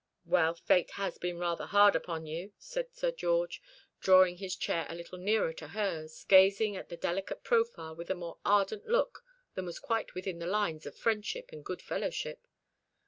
"Well, Fate has been rather hard upon you," said Sir George, drawing his chair a little nearer to hers, gazing at the delicate profile with a more ardent look than was quite within the lines of friendship and good fellowship.